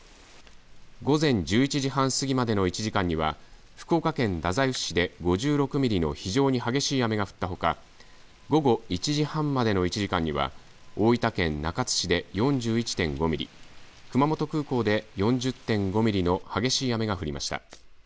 午前１１時半過ぎまでの１時間には福岡県太宰府市で５６ミリの非常に激しい雨が降ったほか午後１時半までの１時間には大分県中津市で４１．５ミリ熊本空港で４０．５ミリの激しい雨が降りました。